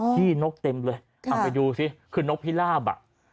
้นกเต็มเลยเอาไปดูสิคือนกพิลาบอ่ะ